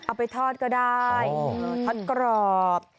เอาไปทอดก็ได้ทอดกรอบ